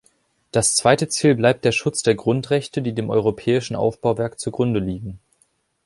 Das zweite Ziel bleibt der Schutz der Grundrechte, die dem europäischen Aufbauwerk zugrunde liegen.